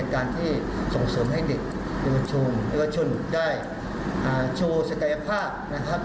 เป็นการที่ส่งส่วนให้เด็กเยาวชนได้โชว์ศักยภาพ